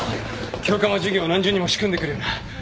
教官は授業を何重にも仕組んでくるよな。